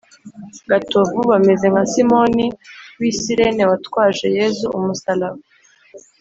gatovu bameze nka simoni w’i sirene watwaje yezu umusalaba